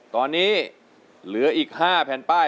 ตอนนี้เหลืออีก๕แผ่นป้าย